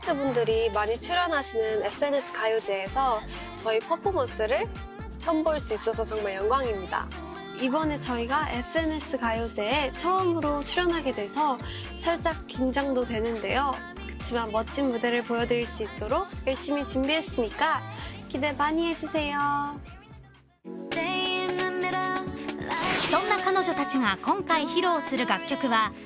［そんな彼女たちが今回披露する楽曲は］